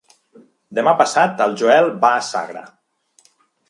Demà passat en Joel va a Sagra.